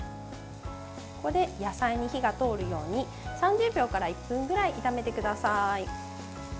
ここで野菜に火が通るように３０秒から１分ぐらい炒めてください。